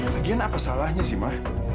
lagian apa salahnya sih mah